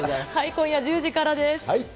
今夜１０時からです。